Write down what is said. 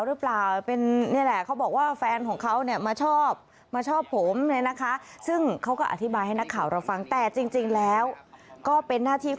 เราสงสัยว่าเป็นคนนี้ไหมที่มาทำร้ายเรา